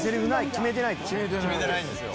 決めてないんですよ。